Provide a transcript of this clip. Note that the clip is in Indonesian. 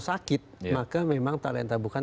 sakit maka memang talenta bukan